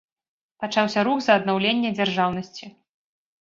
Пачаўся рух за аднаўленне дзяржаўнасці.